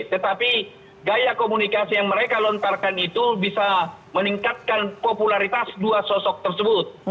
tetapi gaya komunikasi yang mereka lontarkan itu bisa meningkatkan popularitas dua sosok tersebut